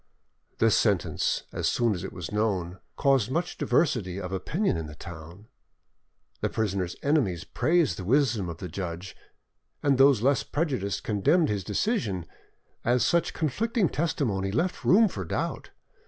This sentence, as soon as it was known, caused much diversity of opinion in the town. The prisoner's enemies praised the wisdom of the judge, and those less prejudiced condemned his decision; as such conflicting testimony left room for doubt.